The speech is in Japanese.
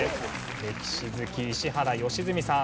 歴史好き石原良純さん。